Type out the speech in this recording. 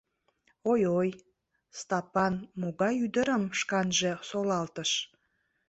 — Ой-ой, Стапан могай ӱдырым шканже солалтыш!